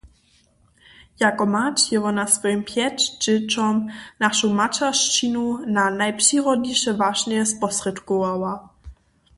Jako mać je wona swojim pjeć dźěćom našu maćeršćinu na najpřirodniše wašnje sposrědkowała.